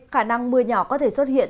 khả năng mưa nhỏ có thể xuất hiện